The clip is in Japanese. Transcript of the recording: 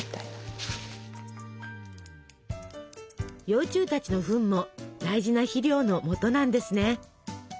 幼虫たちのフンも大事な肥料のもとなんですね。